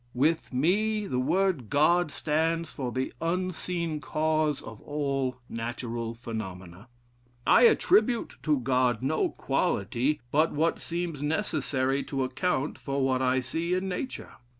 With me, the word God stands for the unseen cause of all natural phenomena. I attribute to God no quality but what seems necessary to account for what I see in nature.